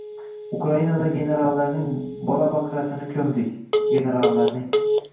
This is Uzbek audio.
Ukrainada generallarning bola-baqrasini ko‘mdik, generallarning!